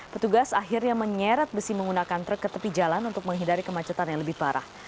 petugas akhirnya menyeret besi menggunakan truk ke tepi jalan untuk menghindari kemacetan yang lebih parah